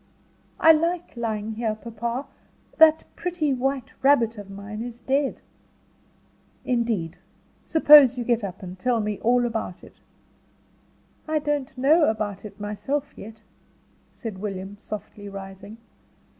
"I like lying here. Papa, that pretty white rabbit of mine is dead." "Indeed. Suppose you get up and tell me all about it." "I don't know about it myself yet," said William, softly rising.